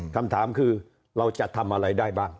คำถามคือเราจะทำอะไรได้บ้าง